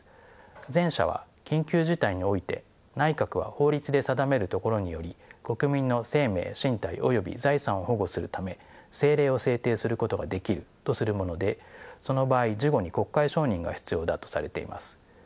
前者は緊急事態において内閣は法律で定めるところにより国民の生命身体及び財産を保護するため政令を制定することができるとするものでその場合事後に国会承認が必要だとされています。